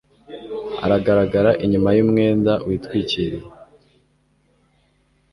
aragaragara inyuma y'umwenda witwikiriye